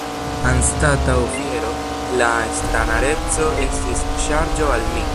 Anstataŭ fiero, la estraraneco estis ŝarĝo al mi.